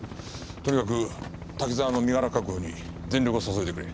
とにかく滝沢の身柄確保に全力を注いでくれ。